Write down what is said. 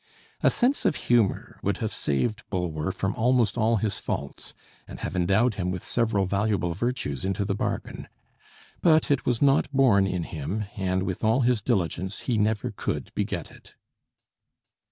A sense of humor would have saved Bulwer from almost all his faults, and have endowed him with several valuable virtues into the bargain; but it was not born in him, and with all his diligence he never could beget it.